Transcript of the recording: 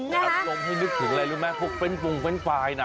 นี่อักลบที่นึกถึงเลยลูกแม่พูดเป็นปรุงเป็นปลายน่ะ